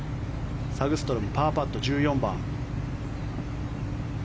サグストロム、パーパット１４番。